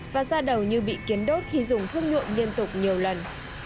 và da đầu như bị kiến đốt khi dùng thuốc nhuộm liên tục nhiều lần